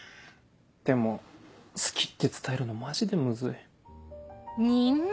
でも「好き」って伝えるのマジでムズい。